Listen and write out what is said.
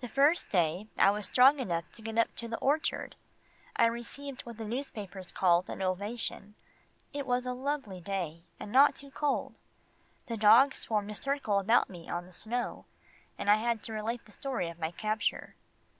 The first day I was strong enough to get up to the orchard, I received what the newspapers call an "ovation." It was a lovely day, and not too cold. The dogs formed a circle about me on the snow, and I had to relate the story of my capture.